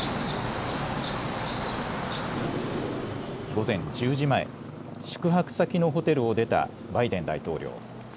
午前１０時前、宿泊先のホテルを出たバイデン大統領。